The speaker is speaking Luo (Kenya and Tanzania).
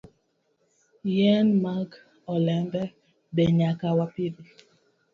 Yien mag olembe be nyaka wapidhi.